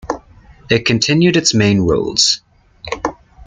It continued its main roles.